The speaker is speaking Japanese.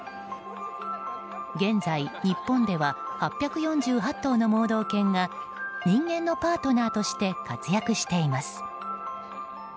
現在、日本では８４８頭の盲導犬が人間のパートナーとして活躍しています。